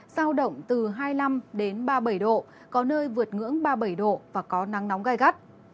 giao động từ hai mươi năm đến ba mươi bảy độ có nơi vượt ngưỡng ba mươi bảy độ và có nắng nóng gai gắt